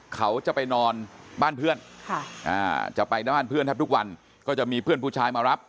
เขาจะไปนอนบ้านเพื่อนจะไปหน้าบ้านเพื่อนแทบทุกวันก็จะมีเพื่อนผู้ชายมารับ